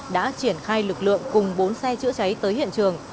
đã triển khai lực lượng cùng bốn xe chữa cháy tới hiện trường